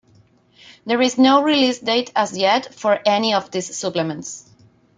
There is no release date as yet for any of these supplements.